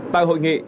tại hội nghị